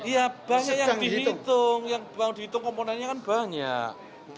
ya banyak yang dihitung yang dihitung komponennya kan banyak